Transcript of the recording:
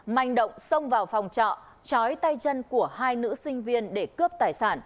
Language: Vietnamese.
mạnh động xông vào phòng trọ trói tay chân của hai nữ sinh viên để cướp tài sản